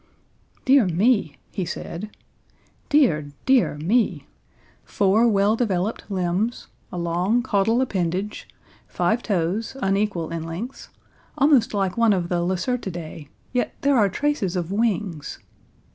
"Dear me," he said. "Dear, dear me! Four well developed limbs; a long caudal appendage; five toes, unequal in lengths, almost like one of the Lacertidae, yet there are traces of wings."